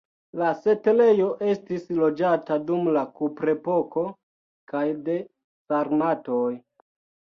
La setlejo estis loĝata dum la kuprepoko kaj de sarmatoj.